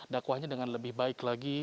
dakwahnya dengan lebih baik lagi